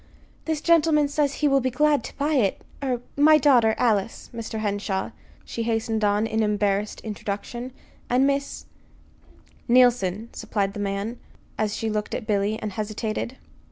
"This gentleman says he will be glad to buy it. Er my daughter, Alice, Mr. Henshaw," she hastened on, in embarrassed introduction; "and Miss " "Neilson," supplied the man, as she looked at Billy, and hesitated.